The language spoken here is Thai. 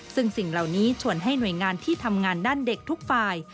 ซึ่งสิ่งเหล่านี้ชวนให้หน่วยงานที่ทำงานด้านเด็กทุกฝ่าย